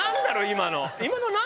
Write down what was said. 今の。